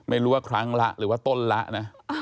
ไม่รู้ว่าครั้งละหรือว่าต้นละนะ